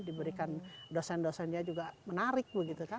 diberikan dosen dosennya juga menarik begitu kan